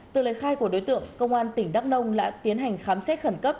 từ lời khai của đối tượng công an tỉnh đắk nông đã tiến hành khám xét khẩn cấp